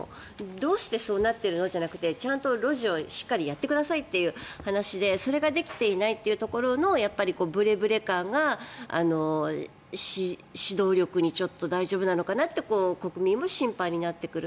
どうしてそうなってるのじゃなくてちゃんとロジをしっかりやってくださいという話でそれができていないというところのブレブレ感が指導力が、大丈夫なのかな？って国民も心配になってくる。